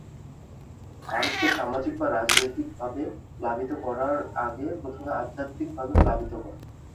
ভারতকে সামাজিক বা রাজনীতিকভাবে প্লাবিত করার আগে প্রথমে আধ্যাত্মিক ভাবে প্লাবিত কর।